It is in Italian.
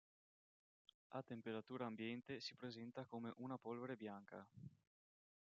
A temperatura ambiente si presenta come una polvere bianca.